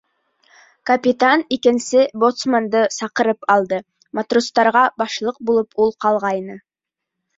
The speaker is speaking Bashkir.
Капитан икенсе боцманды саҡырып алды, матростарға башлыҡ булып ул ҡалғайны.